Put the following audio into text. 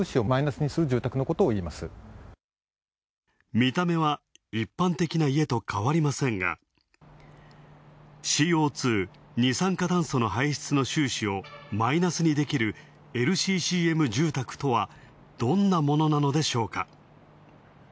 見た目は一般的な家と変わりませんが、ＣＯ２＝二酸化炭素の排出の収支をマイナスにできるＬＣＣＭ住宅とは、どんなものなのでしょうか？